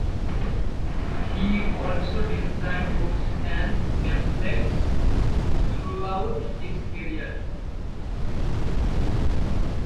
He also designed books and pamphlets throughout his career.